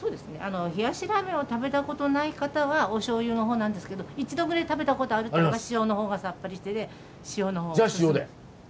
冷やしラーメンを食べたことない方はおしょうゆのほうなんですけど一度ぐらい食べたことあるってなら塩のほうがさっぱりしてて塩のほうが。じゃあ塩で！